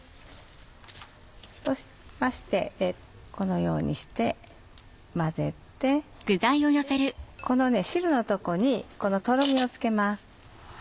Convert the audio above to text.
そうしましてこのようにして混ぜてこの汁のところにとろみをつけます。